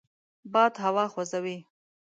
باد هوا خوځوي